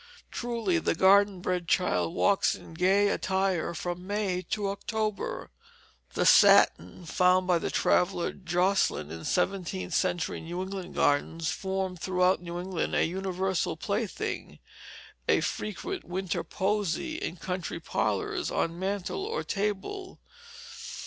Truly, the garden bred child walks in gay attire from May to October. The "satten" found by the traveller Josselyn, in seventeenth century New England gardens, formed throughout New England a universal plaything, and a frequent winter posy, in country parlors, on mantel or table.